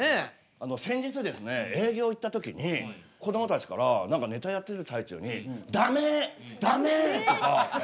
あの先日ですね営業行った時にこどもたちから何かネタやってる最中に「ダメ！ダメ！」とか。